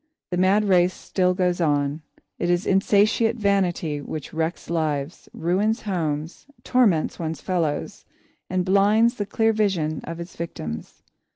The mad race still goes on. It is insatiate vanity which wrecks lives, ruins homes, torments one's fellows, and blinds the clear vision of its victims.